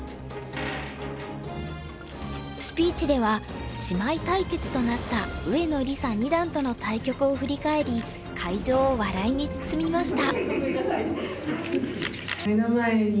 スピーチでは姉妹対決となった上野梨紗二段との対局を振り返り会場を笑いに包みました。